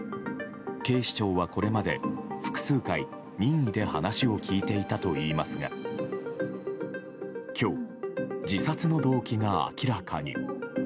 警視庁はこれまで複数回、任意で話を聞いていたといいますが今日、自殺の動機が明らかに。